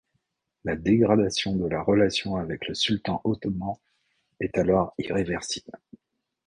La dégradation de la relation avec le sultan ottoman est alors irréversible.